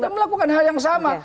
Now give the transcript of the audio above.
melakukan hal yang sama